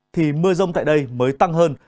thì mưa rông tại đây mới tăng hơn